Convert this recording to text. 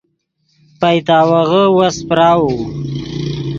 پئیتاوغّے وس پراؤو